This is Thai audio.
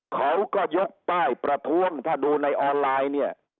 เขาก็ยกป้ายประท้วงถ้าดูในออนไลน์เนี่ย